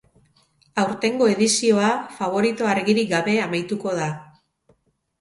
Aurtengo edizioa faborito argirik gabe amaituko da.